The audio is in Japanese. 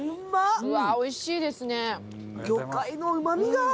うわあおいしいですね。